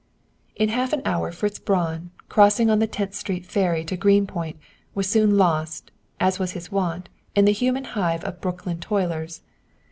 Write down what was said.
In half an hour, Fitz Braun, crossing on the Tenth Street Ferry to Greenpoint, was soon lost, as was his wont, in the human hive of Brooklyn toilers.